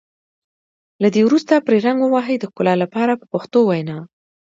له دې وروسته پرې رنګ ووهئ د ښکلا لپاره په پښتو وینا.